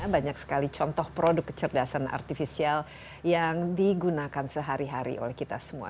banyak sekali contoh produk kecerdasan artifisial yang digunakan sehari hari oleh kita semua